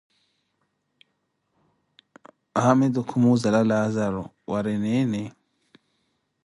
Haamitu khumuzela Laazaro, waari niini?